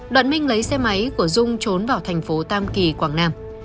đoạn minh lấy xe máy của dung trốn vào thành phố tam kỳ quảng nam